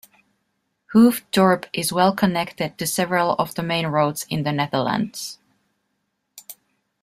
Hoofddorp is well connected to several of the main roads in the Netherlands.